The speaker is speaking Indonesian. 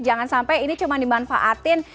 jangan sampai ini cuma dimanfaatin